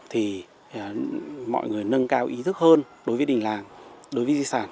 thì mọi người nâng cao ý thức hơn đối với đình làng đối với di sản